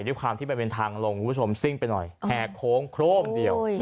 ด้วยความที่มันเป็นทางลงคุณผู้ชมซิ่งไปหน่อยแห่โค้งโครมเดียว